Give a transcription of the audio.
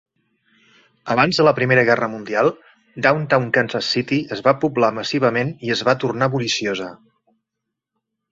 Abans de la Primera Guerra Mundial, Downtown Kansas City es va poblar massivament i es va tornar bulliciosa.